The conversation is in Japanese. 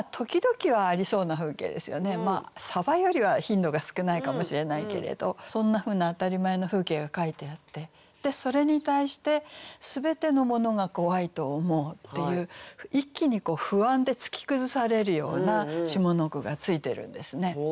サバよりは頻度が少ないかもしれないけれどそんなふうな当たり前の風景が書いてあってでそれに対して「すべてのものがこわいと思う」っていう一気に不安で突き崩されるような下の句がついてるんですね。